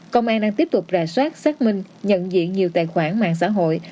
công an đang tiếp tục rà soát xác minh nhận diện nhiều tài khoản mạng xã hội